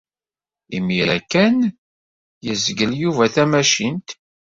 Imir-a kan ay yezgel Yuba tamacint.